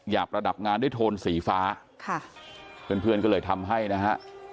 ประดับงานด้วยโทนสีฟ้าค่ะเพื่อนเพื่อนก็เลยทำให้นะฮะ